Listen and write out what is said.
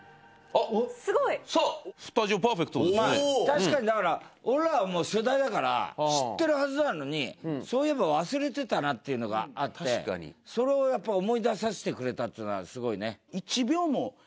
確かにだから俺らはもう世代だから知ってるはずなのにそういえば忘れてたなっていうのがあってそれを思い出させてくれたっていうのはすごいね。